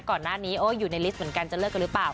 ก่อนหน้านี้โอ้อยู่ในลิสต์เหมือนกันจะเลิกกันหรือเปล่า